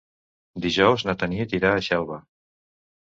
Dijous na Tanit irà a Xelva.